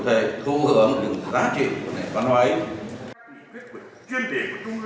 những giá trị của nền văn hóa ấy